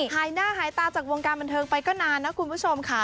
หายหน้าหายตาจากวงการบันเทิงไปก็นานนะคุณผู้ชมค่ะ